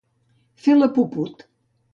Fer la puput.